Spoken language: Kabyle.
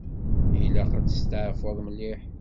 Ilaq ad testeɛfuḍ mliḥ.